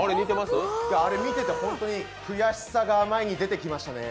あれ見ててホントに、悔しさが前に出てきましたね。